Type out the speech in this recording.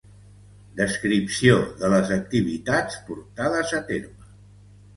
Descripció de les activitats portades a terme.